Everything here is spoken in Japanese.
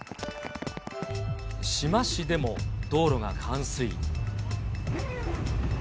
志摩市でも道路が冠水。